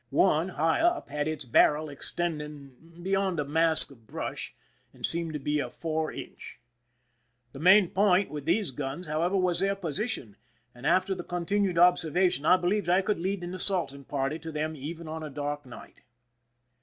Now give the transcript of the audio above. One, high up, had its barrel extending beyond a mask of brush, and seemed to be a four inch. The main point with these guns, however, was their position, and after the continued observation I believed I could lead an assaulting party to them even on a dark night.